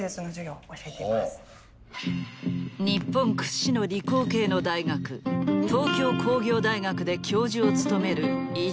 日本屈指の理工系の大学東京工業大学で教授を務める伊藤亜紗。